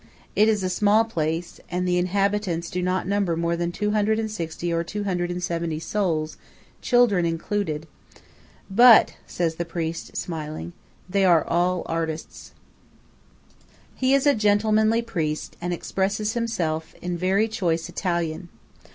It is a small place, and the inhabitants do not number more than 260 or 270 souls, children included; "but," says the priest, smiling, "they are all artists." He is a gentlemanly priest, and expresses himself in "very choice Italian."